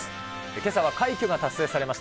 けさは快挙が達成されました、